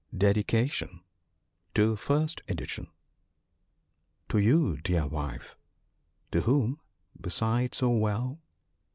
Dedication TO FJRST EDITION. I To you, dear Wife —to whom beside so well?